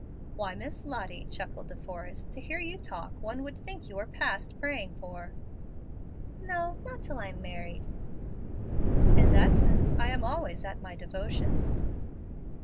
"Why, Miss Lottie," chuckled De Forrest, "to hear you talk, one would think you were past praying for." "No, not till I am married." "In that sense I am always at my devotions."